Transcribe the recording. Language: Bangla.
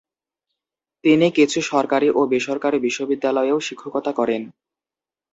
তিনি কিছু সরকারি ও বেসরকারি বিশ্ববিদ্যালয়েও শিক্ষকতা করেন।